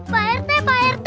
pak rt pak rt